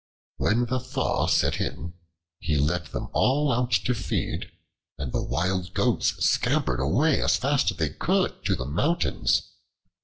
When the thaw set in, he led them all out to feed, and the Wild Goats scampered away as fast as they could to the mountains.